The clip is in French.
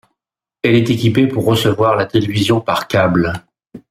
Elle est équipée pour recevoir la télévision par câble.